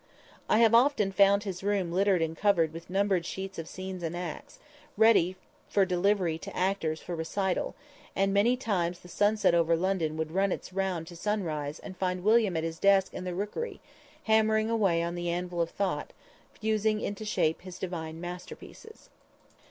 I have often found his room littered and covered with numbered sheets of scenes and acts, ready for delivery to actors for recital, and many times the sunset over London would run its round to sunrise and find William at his desk in the rookery, hammering away on the anvil of thought, fusing into shape his divine masterpieces.